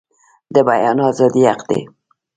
د بیان ازادي حق دی